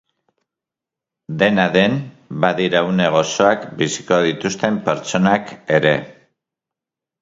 Dena den, badira une gozoak biziko dituzten pertsonak ere.